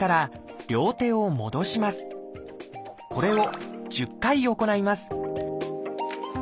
これを１０回行います